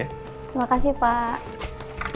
terima kasih pak